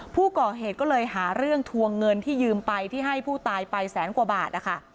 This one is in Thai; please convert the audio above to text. ผู้ก่อเหตุก็เลยหาเรื่องทวงเงินที่ยืมไปที่ให้ผู้ตายไปแสนกว่าบาทนะคะ